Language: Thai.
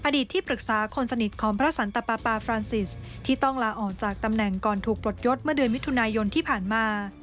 ที่ปรึกษาคนสนิทของพระสันตปาปาฟรานซิสที่ต้องลาออกจากตำแหน่งก่อนถูกปลดยศเมื่อเดือนมิถุนายนที่ผ่านมา